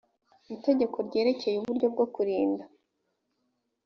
itegeko ryerekeye uburyo bwo kurinda